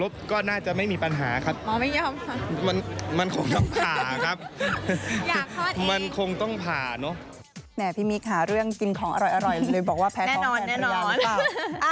พี่มีคหาเรื่องกินของอร่อยเลยบอกว่าแพ้ต้องการอร่อยหรือเปล่าแน่นอนแน่นอน